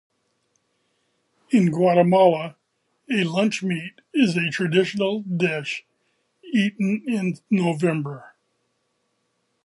In Guatemala, a lunch meat is a traditional dish eaten in November.